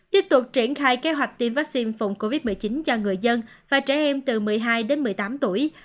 tiếp tục triển khai kế hoạch tiêm vaccine phòng covid một mươi chín cho người dân và trẻ em từ một mươi hai đến một mươi tám tuổi